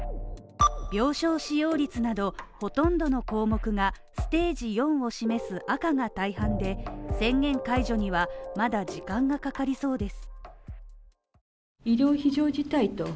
病床使用率など、ほとんどの項目がステージ４を示す赤が大半で宣言解除にはまだ時間がかかりそうです。